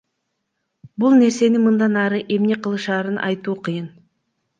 Бул нерсени мындан ары эмне кылышаарын айтуу кыйын.